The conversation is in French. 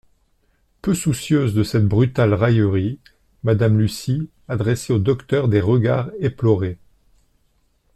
Peu soucieuse de cette brutale raillerie, Madame Lucy adressait au docteur des regards éplorés.